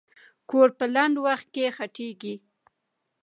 کور په لنډ وخت کې غټېږي.